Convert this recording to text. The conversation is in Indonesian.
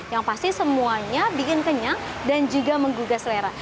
yang pasti semuanya bikin kenyang dan juga menggugah selera